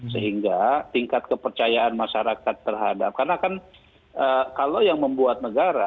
sehingga tingkat kepercayaan masyarakat terhadap karena kan kalau yang membuat negara